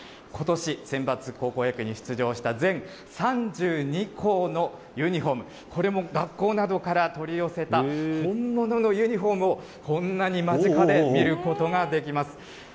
ことしセンバツ高校野球に出場した全３２校のユニホーム、これも学校などから取り寄せた本物のユニホームをこんなに間近で見ることができます。